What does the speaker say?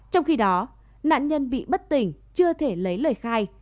trong khi đó nạn nhân bị bất tỉnh chưa thể lấy lời khai